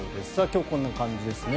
今日こんな感じですね。